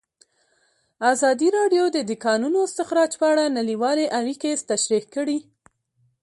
ازادي راډیو د د کانونو استخراج په اړه نړیوالې اړیکې تشریح کړي.